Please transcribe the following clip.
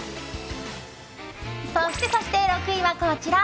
そしてそして、６位はこちら。